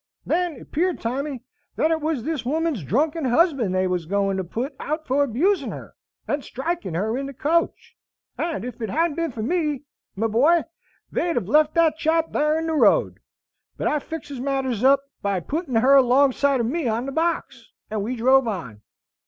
Then it 'pear'd, Tommy, thet it was this woman's drunken husband they was going to put out for abusin' her, and strikin' her in the coach; and if it hadn't been for me, my boy, they'd hev left that chap thar in the road. But I fixes matters up by putting her alongside o' me on the box, and we drove on.